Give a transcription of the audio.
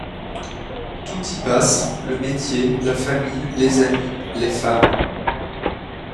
Tout y passe, le métier, la famille, les amis, les femmes.